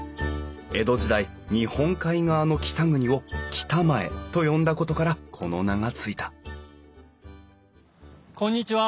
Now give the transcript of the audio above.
江戸時代日本海側の北国を北前と呼んだことからこの名が付いたこんにちは。